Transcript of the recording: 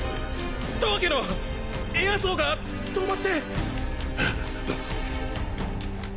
十朱のエアソーが止まって。